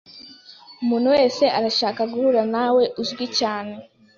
Umuntu wese arashaka guhura nawe. Uzwi cyane!